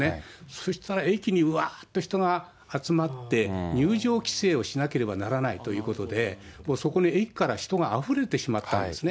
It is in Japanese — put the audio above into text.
そしたら駅にわーっと人が集まって、入場規制をしなければならないということで、そこの駅から人があふれてしまったんですね。